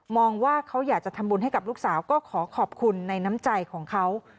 ว่าเขาอยากจะทำบุญให้กับลูกสาวก็ขอขอบคุณในน้ำใจของเขา